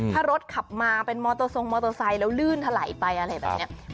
ถ้ารถขับมาเป็นมอโตโซงมอโตไซด์แล้วลื่นถลายไปอะไรแบบเนี้ยครับ